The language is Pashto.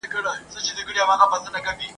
په څه لږو الوتو سو په ځان ستړی ..